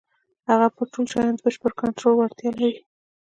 هغه پر ټولو شيانو د بشپړ کنټرول وړتيا لري.